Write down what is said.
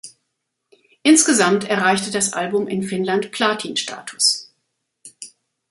Insgesamt erreichte das Album in Finnland Platin-Status.